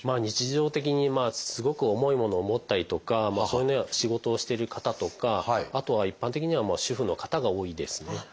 日常的にすごく重いものを持ったりとかそういうような仕事をしてる方とかあとは一般的には主婦の方が多いですね。